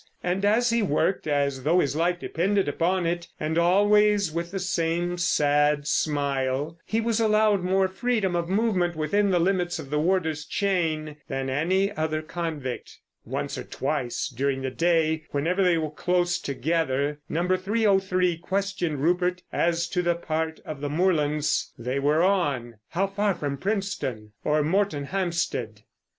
And as he worked as though his life depended upon it, and always with the same sad smile, he was allowed more freedom of movement within the limits of the warder's chain than any other convict. Once or twice during the day, whenever they were close together, No. 303 questioned Rupert as to the part of the moorlands they were on, how far from Princetown or Moretonhampstead.